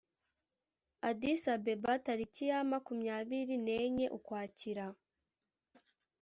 addis-abeba, tariki ya makumyabiri nenye ukwakira